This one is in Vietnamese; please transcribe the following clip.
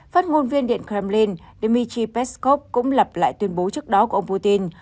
phát ngôn viên điện kremlin dmitry peskov cũng lập lại tuyên bố trước đó của ông putin